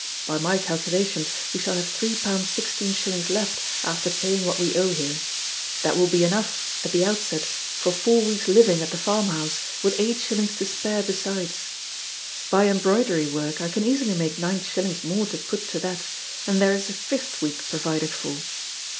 By my calculations, we shall have three pounds sixteen shillings left, after paying what we owe here. That will be enough, at the outset, for four weeks' living at the farmhouse, with eight shillings to spare besides. By embroidery work I can easily make nine shillings more to put to that, and there is a fifth week provided for.